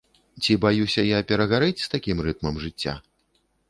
Ці баюся я перагарэць з такім рытмам жыцця?